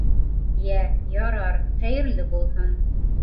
— Йә, ярар, хәйерле булһын.